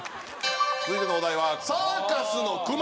続いてのお題はサーカスのくま。